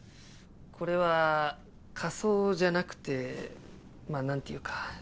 これは仮装じゃなくてまあ何て言うか。